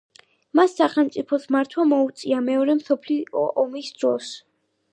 მას სახელმწიფოს მართვა მოუწია მეორე მსოფლიო ომის დროს.